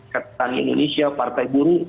ketani indonesia partai buruh